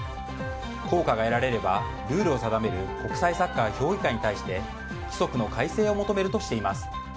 効果が得られればルールを定める国際サッカー評議会に対して規則の改正を求めるとしています。